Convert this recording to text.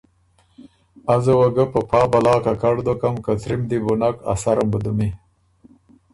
ازه وه ګۀ په پا بلا ککړ دوکم که ترِم دی بو نک، ا سرم بُو دُمی۔